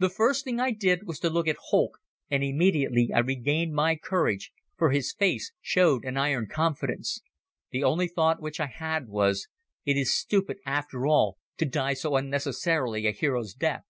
The first thing I did was to look at Holck and immediately I regained my courage for his face showed an iron confidence. The only thought which I had was: "It is stupid, after all, to die so unnecessarily a hero's death."